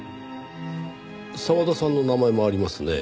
澤田さんの名前もありますねぇ。